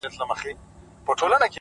دا هم له تا جار دی، اې وطنه زوروره،